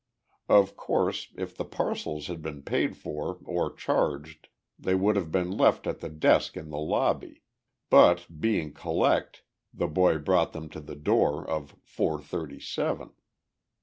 Of course, if the parcels had been paid for or charged they would have been left at the desk in the lobby, but, being collect, the boy brought them to the door of four thirty seven.